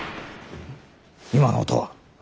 ・今の音は？